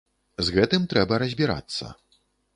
З гэтым трэба разбірацца.